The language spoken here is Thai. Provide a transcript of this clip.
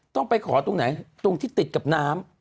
ต้องไปขอตรงไหนตรงที่ติดกับน้ำ